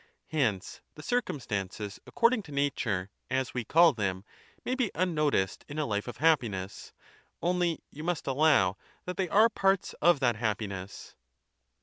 Hence the circum stances according to nature, as we call them, may be unnoticed in a life of happiness, only you must allow that they are parts of that happiness.